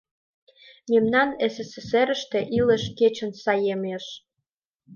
— Мемнан СССР-ыште илыш кечын саемеш.